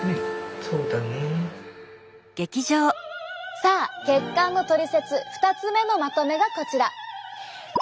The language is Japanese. さあ血管のトリセツ２つ目のまとめがこちら。